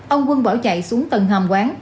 ông quân bỏ chạy xuống tầng hàm quán